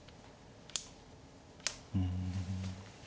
うん。